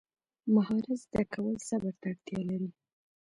مهارت زده کول صبر ته اړتیا لري.